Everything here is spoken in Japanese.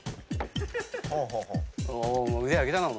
腕上げたなお